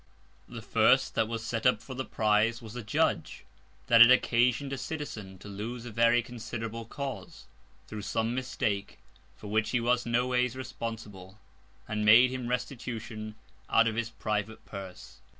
The first that was set up for the Prize, was a Judge, that had occasion'd a Citizen to lose a very considerable Cause, through some Mistake, for which he was no ways responsible, and made him Restitution out of his private Purse.